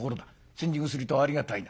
煎じ薬とはありがたいな。